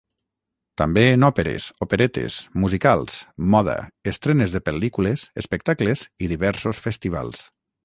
També en òperes, operetes, musicals, moda, estrenes de pel·lícules, espectacles i diversos festivals.